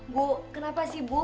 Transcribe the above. bu kenapa sih bu